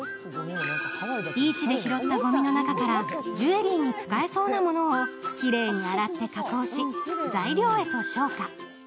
ビーチで拾ったごみの中からジュエリーに使えそうなものをきれいに洗って加工し、材料へと昇華。